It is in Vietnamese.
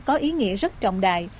có ý nghĩa rất trọng đài